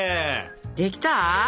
できた？